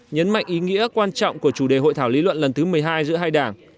nhấn mạnh ý nghĩa quan trọng của chủ đề hội thảo lý luận lần thứ một mươi hai giữa hai đảng